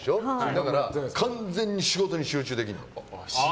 だから完全に仕事に集中できる。